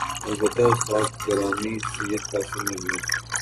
البتہ استاد گرامی سید قاسم محمود